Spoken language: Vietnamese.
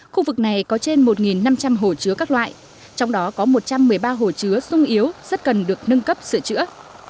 khu vực này có trên một năm trăm linh hồ chứa các loại trong đó có một trăm một mươi ba hồ chứa sung yếu rất cần được nâng cấp sửa chữa